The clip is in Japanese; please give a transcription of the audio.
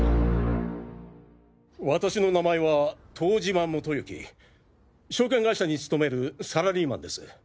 私の名前は遠島基行証券会社に勤めるサラリーマンです。